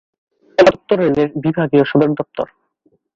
মোরাদাবাদ উত্তর রেলের বিভাগীয় সদর দফতর দপ্তর।